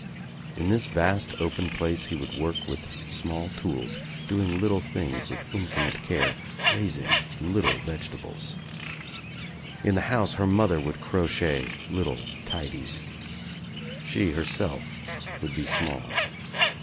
In this vast open place he would work with [small tools, doing little things with infinite care, rais ing little vegetables. In the house her mother would crochet little tidies. She herself would be small.